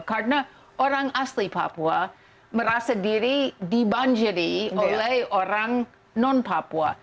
karena orang asli papua merasa diri dibanjiri oleh orang non papua